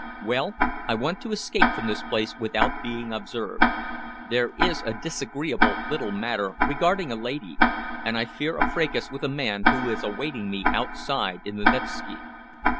"Well, I want to escape from this place without being observed. There is a disagreeable little matter regarding a lady, and I fear a fracas with a man who is awaiting me outside in the Nevski."